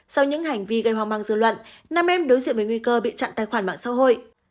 sau những hành vi gây hoang mang dư luận nam em đối diện với nguy cơ bị chặn tài khoản mạng xã hội